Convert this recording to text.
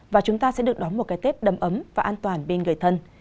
và chúng ta sẽ được đón một cái tết đầm ấm và an toàn bên người thân